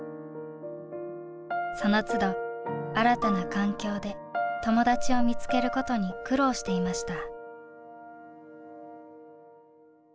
そのつど新たな環境で友達を見つけることに苦労していました。